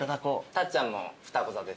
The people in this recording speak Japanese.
たっちゃんも双子座です。